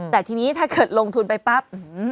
แต่ทีนี้ถ้าเกิดลงทุนไปปั๊บ